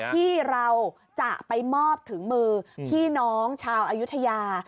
ที่เราจะไปมอบถึงมือพี่น้องชาวอายุทยา